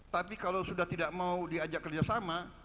tapi kalau sudah tidak mau diajak kerjasama